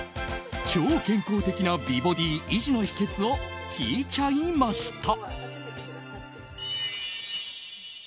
超健康的な美ボディー維持の秘訣を聞いちゃいました。